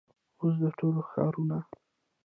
او س د ټولو ښارونو